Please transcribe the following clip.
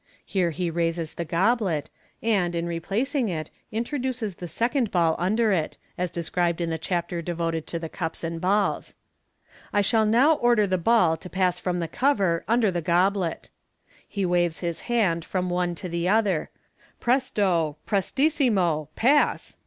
(Here he raises the goblet, and, in replacing it, introduces the second ball under it, as described in the chapter devoted to the Cups and Balls.) " I shall now order the ball to pass from the cover under the goblet." He waves his wand from the one to the other. rt Presto ! Prestissimo ! Pass